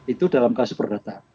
itu dalam kasus perdata